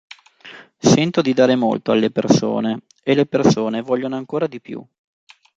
Sento di dare molto alle persone e le persone vogliono ancora di più.